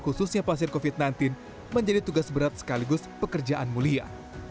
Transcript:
khususnya pasien covid sembilan belas menjadi tugas berat sekaligus pekerjaan mulia